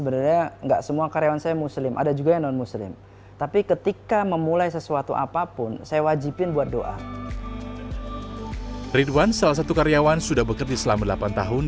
ridwan salah satu karyawan sudah bekerja selama delapan tahun